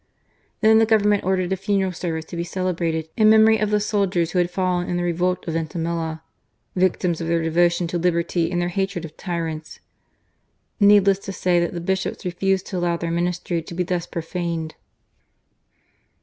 ! Then the Government ordered a funeral service to be cele brated in memory of the soldiers who had hMen in the revolt of Vintimilla, " victims of their devotion to liberty and their hatred of tyrants." Needless to say that the Bishops refused to allow their ministry to be thus profaned.